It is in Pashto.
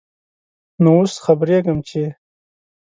نوو اوس خبريږم ، چې ...